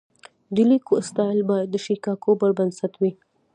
د لیکلو سټایل باید د شیکاګو پر بنسټ وي.